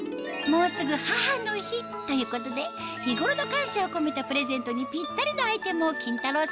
もうすぐ母の日ということで日頃の感謝を込めたプレゼントにぴったりのアイテムをキンタロー。